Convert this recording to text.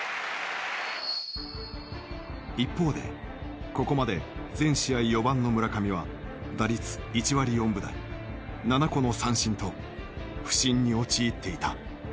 一方でここまで全試合４番の村上は打率１割４分台７個の三振と不振に陥っていた。